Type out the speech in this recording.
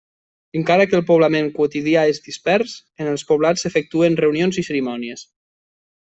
Encara que el poblament quotidià és dispers, en els poblats s'efectuen reunions i cerimònies.